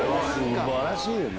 素晴らしいよね。